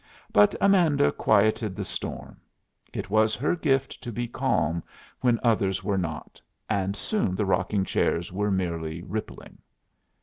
But Amanda quieted the storm. It was her gift to be calm when others were not, and soon the rocking chairs were merely rippling.